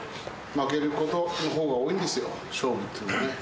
負けることのほうが多いんですよ、勝負っていうのはね。